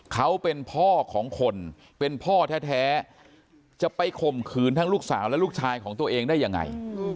เขาเป็นพ่อของคนเป็นพ่อแท้จะไปข่มขืนทั้งลูกสาวและลูกชายของตัวเองได้ยังไง